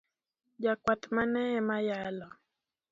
Jakwath mane ema yalo?